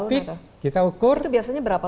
tapi kita ukur itu biasanya berapa